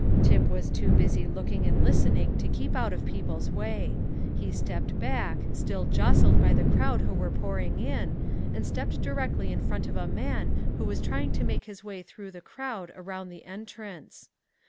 Tip was too busy looking and listening to keep out of people's way; he stepped back, still jostled by the crowd who were pouring in, and stepped directly in front of a man who was trying to make his way through the crowd around the entrance.